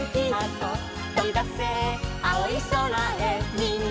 みんな！